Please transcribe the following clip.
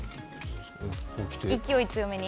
勢い強めに。